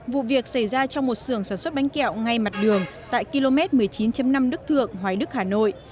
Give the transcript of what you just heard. vụ việc xảy ra trong một xưởng sản xuất bánh kẹo ngay mặt đường tại km một mươi chín năm đức thượng hoài đức hà nội